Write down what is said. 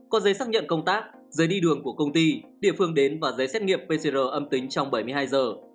có giấy xác nhận công tác giấy đi đường của công ty địa phương đến và giấy xét nghiệm pcr âm tính trong bảy mươi hai giờ